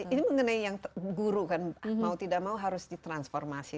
ini mengenai yang guru kan mau tidak mau harus ditransformasi